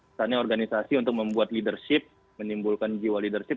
misalnya organisasi untuk membuat leadership menimbulkan jiwa leadership